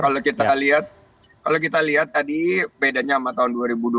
kalau kita lihat kalau kita lihat tadi bedanya sama tahun dua ribu dua puluh